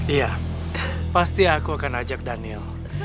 iya pasti aku akan ajak daniel